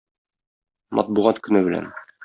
Матбугат көне белән!